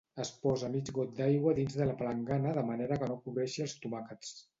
Es posa mig got d’aigua dins de palangana de manera que no cobreixi els tomàquets.